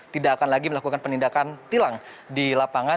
tidak akan lagi melakukan penindakan tilang di lapangan